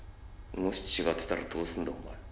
もし違ってたらどうすんだお前